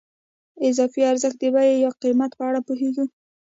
د اضافي ارزښت د بیې یا قیمت په اړه پوهېږو